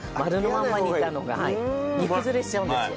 煮崩れしちゃうんですよ。